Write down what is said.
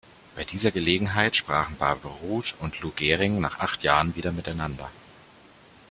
Bei dieser Gelegenheit sprachen Babe Ruth und Lou Gehrig nach acht Jahren wieder miteinander.